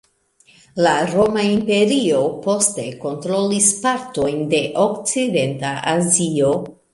La Roma Imperio poste kontrolis partojn de Okcidenta Azio.